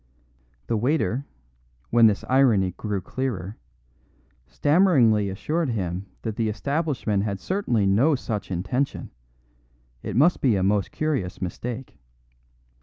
The waiter, when this irony grew clearer, stammeringly assured him that the establishment had certainly no such intention; it must be a most curious mistake.